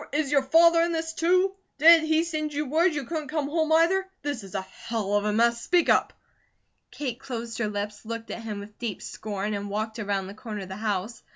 Is your father in this, too? Did he send you word you couldn't come home, either? This is a hell of a mess! Speak up!" Kate closed her lips, looked at him with deep scorn, and walked around the corner of the house.